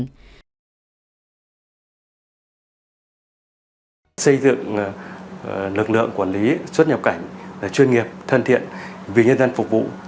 công tác xây dựng lực lượng quản lý xuất nhập cảnh là chuyên nghiệp thân thiện vì nhân dân phục vụ